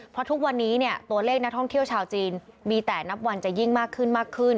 เพราะทุกวันนี้เนี่ยตัวเลขนักท่องเที่ยวชาวจีนมีแต่นับวันจะยิ่งมากขึ้นมากขึ้น